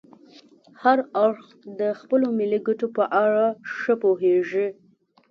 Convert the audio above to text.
هر اړخ د خپلو ملي ګټو په اړه ښه پوهیږي